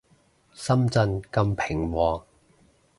深圳咁平和